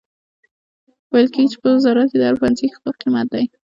ویل کیږي چې په وزارت کې د هر پوهنځي خپل قیمت دی